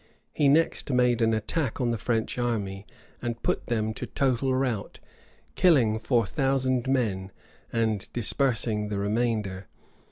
He next made an attack on the French army, and put them to total rout, killing four thousand men, and dispersing the remainder.